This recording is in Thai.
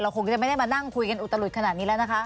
คงจะไม่ได้มานั่งคุยกันอุตลุดขนาดนี้แล้วนะคะ